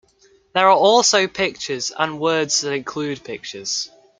There are also pictures, and words that include pictures.